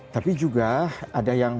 tapi juga ada yang